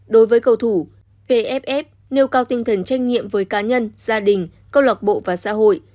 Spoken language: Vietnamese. đối với cầu thủ vff nêu cao tinh thần trách nhiệm với cá nhân gia đình câu lạc bộ và xã hội